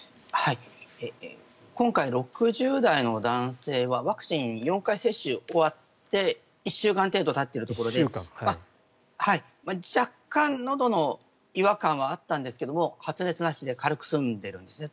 今回、６０代の男性はワクチンを４回接種が終わって１週間程度たっているところで若干のどの違和感はあったんですが発熱なしで軽く済んでるんですね。